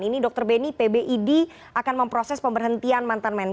ini dr beni pbid akan memproses pemberhentian mantan menko